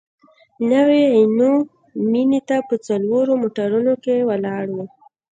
نوي عینو مېنې ته په څلورو موټرونو کې ولاړو.